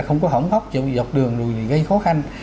không có hỏng hóc dọc đường gây khó khăn